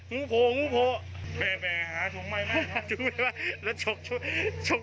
งูโผล่งูโผล่ไปไปหาชงใหม่มากชงใหม่มากแล้วชกชกชก